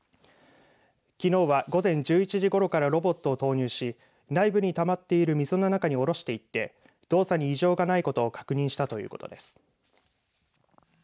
きのうは午前１１時ごろからロボットを投入し内部にたまっている水の中に下ろしていって動作に異常がないことを確認したということです。